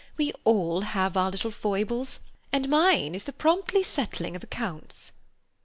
We all have our little foibles, and mine is the prompt settling of accounts."